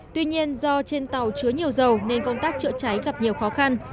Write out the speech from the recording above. tuy nhiên do trên tàu chứa nhiều dầu nên công tác chữa cháy gặp nhiều khó khăn